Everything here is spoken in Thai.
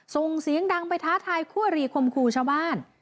ส่งเสียงดังไปท้าทายคั่วหรี่คมคู่ชาวบ้าน